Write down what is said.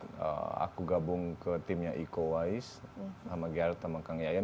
saya gabung ke timnya iko wais gareth dan kang yayan